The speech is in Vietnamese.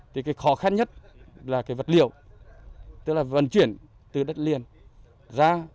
thì cái khó khăn nhất là cái vật liệu tức là vận chuyển từ đất liền ra